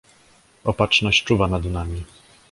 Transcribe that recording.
"Opatrzność czuwa nad nami."